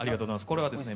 これはですね